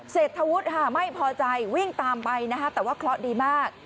เศรษฐวุฒิค่ะไม่พอใจวิ่งตามไปนะคะแต่ว่าเคราะห์ดีมาก